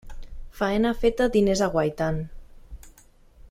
Faena feta, diners aguaiten.